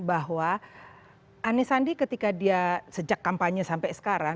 bahwa anisandi ketika dia sejak kampanye sampai sekarang